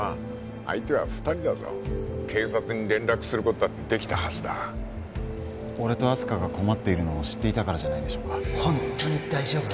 相手は二人だぞ警察に連絡することだってできたはずだ俺と明日香が困っているのを知ってたからじゃないでしょうかほんとに大丈夫？